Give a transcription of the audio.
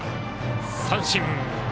三振。